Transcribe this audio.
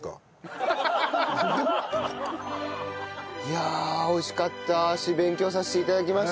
いやあ美味しかったし勉強させて頂きました。